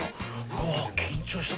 「うわ緊張した。